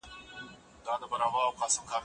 د شاګرد او استاد ترمنځ مشوره اړینه ده.